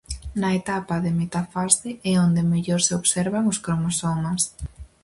Na etapa de metafase é onde mellor se observan os cromosomas.